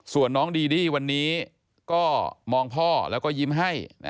ส่วนน้องดีดี้วันนี้ก็มองพ่อแล้วก็ยิ้มให้